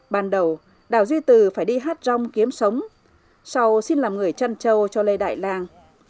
ban đầu đào duy từ phải đi hát rong kiếm sống sau xin làm người chăn châu cho lê đại lan